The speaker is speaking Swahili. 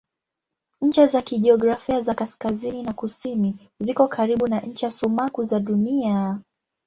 Ncha za kijiografia za kaskazini na kusini ziko karibu na ncha sumaku za Dunia.